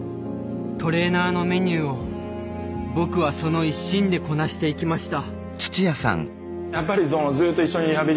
トレーナーのメニューを僕はその一心でこなしていきました。